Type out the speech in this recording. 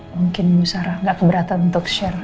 mungkin bu sara enggak keberatan untuk share